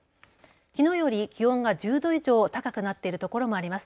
きのうより気温が１０度以上高くなっているところもあります。